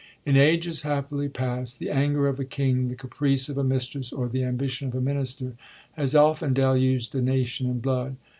In ages happily past, the anger of a king, the caprice of a mistress, or the ambition of a minister has often deluged a nation in blood.